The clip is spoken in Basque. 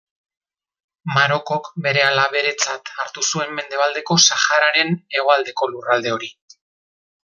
Marokok berehala beretzat hartu zuen Mendebaldeko Sahararen hegoaldeko lurralde hori.